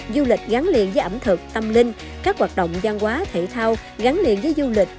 du lịch gắn liền với ẩm thực tâm linh các hoạt động gian hóa thể thao gắn liền với du lịch